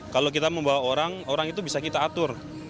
kalau kita membawa orang orang itu bisa kita atur